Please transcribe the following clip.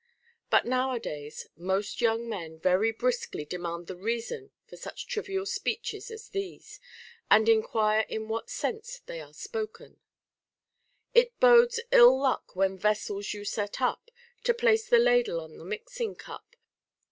But nowadays most young men very briskly demand the reason of such trivial speeches as these, and enquire in what sense they are spoken : It Lodes ill luck, when vessels you set up, To place tlie ladle on the mixing cup.